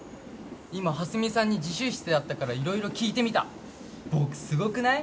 今蓮見さんに自習室で会ったから色々聞いてみた僕すごくない？